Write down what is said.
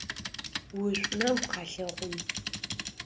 Ушӏумэ укъалъэгъун.